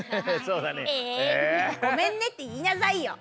「ごめんね」っていいなさいよ！